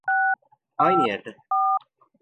Aynı yerde.